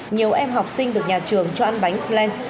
nhiều em học sinh được nhà trường cho ăn bánh fland